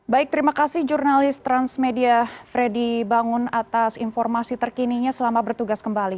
baik terima kasih jurnalis transmedia freddy bangun atas informasi terkininya selama bertugas kembali